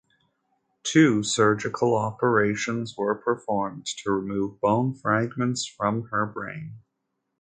Two surgical operations were performed to remove bone fragments from her brain.